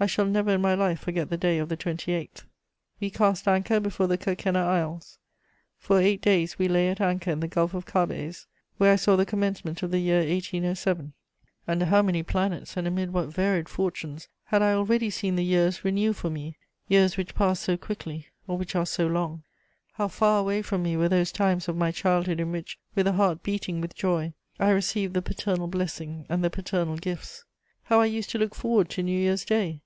I shall never in my life forget the day of the 28th. "We cast anchor before the Kerkenna Isles. For eight days we lay at anchor in the Gulf of Cabes, where I saw the commencement of the year 1807. Under how many planets and amid what varied fortunes had I already seen the years renew for me, years which pass so quickly or which are so long! How far away from me were those times of my childhood in which, with a heart beating with joy, I received the paternal blessing and the paternal gifts! How I used to look forward to New Year's Day!